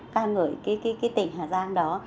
ca ngợi cái tỉnh hà giang đó